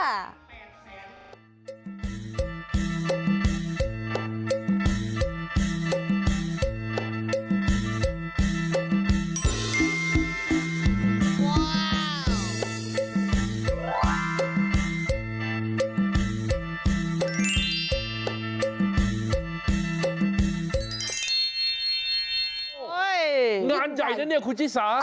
เฮ้ยงานใหญ่จ้ะนี่คุณชิสา